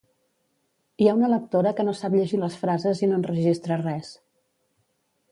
Hi ha una lectora que no sap llegir les frases i no enregistra res